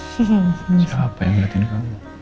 siapa yang liatin kamu